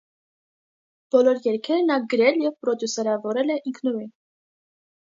Բոլոր երգերը նա գրել և պրոդյուսերավորել է ինքնուրույն։